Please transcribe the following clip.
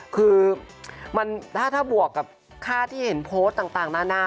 คือถ้าบวกกับค่าที่เห็นโพสต์ต่างนานา